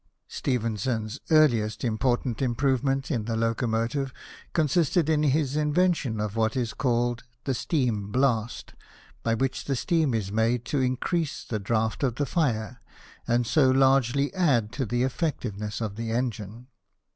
Stephenson's earliest important improvement in the locomotive consisted in his invention of what is called the steam blast, by which the steam is made to increase the draught of the fire, and so largely add to the effectiveness of the engine.